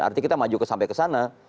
artinya kita maju sampai ke sana